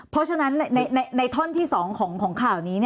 เพราะฉะนั้นในท่อนที่๒ของข่าวนี้